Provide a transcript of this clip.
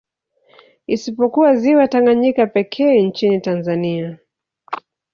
Isipokuwa ziwa Tanganyika pekee nchini Tanzania